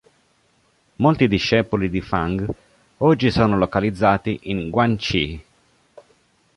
Molti discepoli di Fang, oggi sono localizzati in Guangxi.